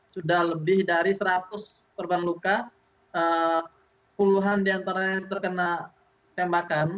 sudah lebih dari seratus perban luka puluhan diantara yang terkena tembakan